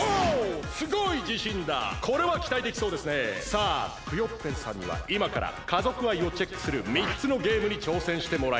さあクヨッペンさんにはいまから家族愛をチェックする３つのゲームにちょうせんしてもらいます。